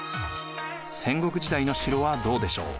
戦国時代の城はどうでしょう？